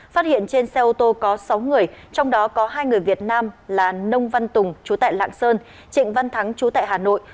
phát hiện trên xe ô tô có sáu người trong đó có hai người việt nam là nông văn tùng chú tại lạng sơn trịnh văn thắng chú tại hà nội